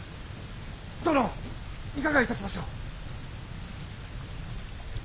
殿いかがいたしましょう？